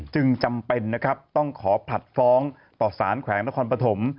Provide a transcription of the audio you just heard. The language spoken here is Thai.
จึงจำเป็นต้องขอผลัดฟ้องต่อสารแขวงและความประถม